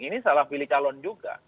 ini salah pilih calon juga